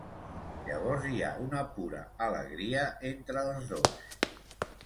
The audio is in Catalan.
Llavors hi ha una pura Alegria entre els dos.